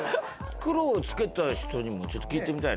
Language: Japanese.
黒を付けた人にもちょっと聞いてみたいね。